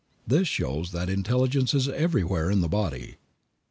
This shows that intelligence is everywhere in the body.